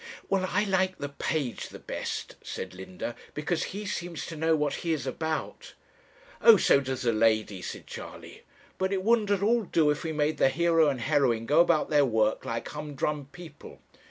'Well, I like the page the best,' said Linda, 'because he seems to know what he is about.' 'Oh, so does the lady,' said Charley; 'but it wouldn't at all do if we made the hero and heroine go about their work like humdrum people.